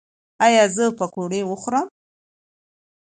ایا زه پکوړې وخورم؟